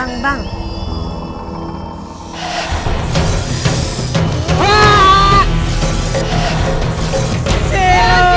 gak boleh bercanda